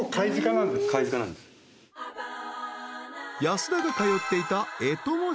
［安田が通っていた］